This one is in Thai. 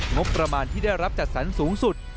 งบประมาณที่ได้รับจัดสรรสูงสุด